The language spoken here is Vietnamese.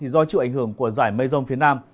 do chịu ảnh hưởng của giải mây rông phía nam